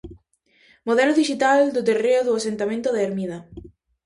Modelo Dixital do Terreo do asentamento da Ermida.